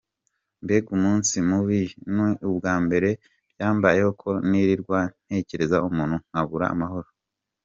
Mbega umunsi mubi! Ni ubwa mbere byambayeho ko nirirwa ntekereza umuntu nkabura amahoro.